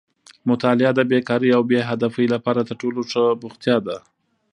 مطالعه د بېکارۍ او بې هدفۍ لپاره تر ټولو ښه بوختیا ده.